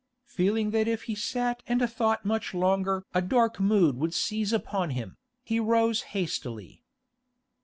Feeling that if he sat and thought much longer a dark mood would seize upon him, he rose hastily.